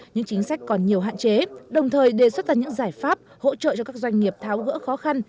những chính sách còn nhiều hạn chế đồng thời đề xuất ra những giải pháp hỗ trợ cho các doanh nghiệp tháo gỡ khó khăn